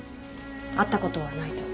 会ったことはないと。